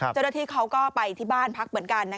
เจ้าหน้าที่เขาก็ไปที่บ้านพักเหมือนกัน